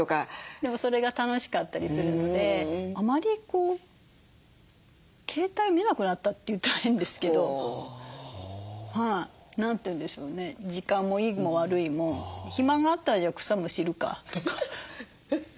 でもそれが楽しかったりするのであまり携帯見なくなったって言ったら変ですけど何て言うんでしょうね時間もいいも悪いも暇があったらじゃあ草むしるかとか。